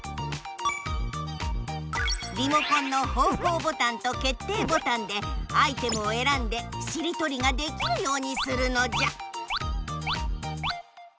リモコンの方向ボタンと決定ボタンでアイテムをえらんでしりとりができるようにするのじゃ！